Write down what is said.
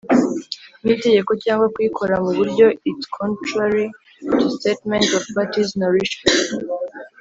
n itegeko cyangwa kuyikora mu buryo it contrary to statements of parties nor issue